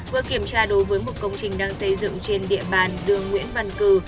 vừa kiểm tra đối với một công trình đang xây dựng trên địa bàn đường nguyễn văn cử